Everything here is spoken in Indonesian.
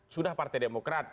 sudah partai demokrat